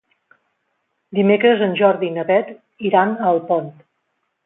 Dimecres en Jordi i na Beth iran a Alpont.